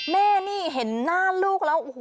แม่นี่เห็นหน้าลูกแล้ว